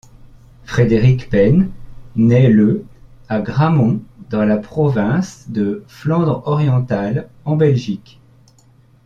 Frederik Penne naît le à Grammont dans la province de Flandre-Orientale en Belgique.